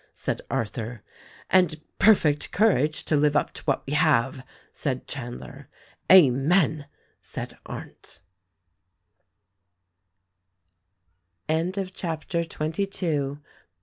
said Arthur. "And perfect courage to live up to what we have !" said Chandler. "Amen !" said Arndt CHAPTER XXIII.